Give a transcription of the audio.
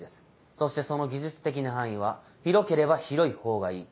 そしてその技術的な範囲は広ければ広い方がいい。